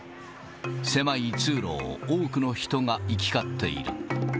狭い通路を多くの人が行き交っている。